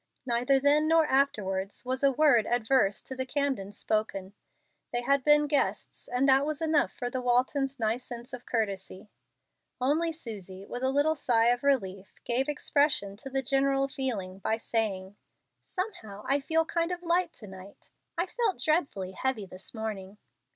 Neither then nor afterward was a word adverse to the Camdens spoken. They had been guests, and that was enough for the Waltons' nice sense of courtesy. Only Susie, with a little sigh of relief, gave expression to the general feeling by saying, "Somehow I feel kind of light to night. I felt dreadfully heavy this morning."